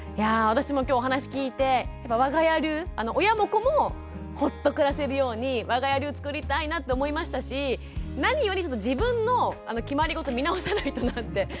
私も今日お話聞いてわが家流親も子もほっと暮らせるようにわが家流を作りたいなと思いましたし何より自分の決まりごと見直さないとなって。